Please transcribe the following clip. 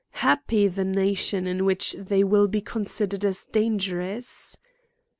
Happy the nation in which they will be considered as dangerous !